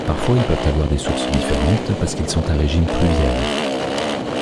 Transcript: Parfois ils peuvent avoir des sources différentes, parce qu'ils sont à régime pluvial.